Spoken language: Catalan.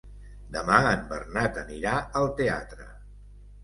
Demà en Bernat anirà al teatre.